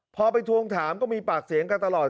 พอไปทวงถามก็มีปากเสียงกันตลอด